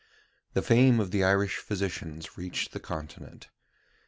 The fame of the Irish physicians reached the Continent.